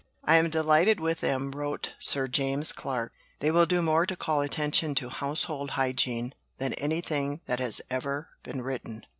"I am delighted with them," wrote Sir James Clark. "They will do more to call attention to Household Hygiene than anything that has ever been written."